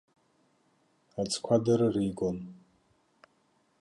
Аӡқәа дырыригон.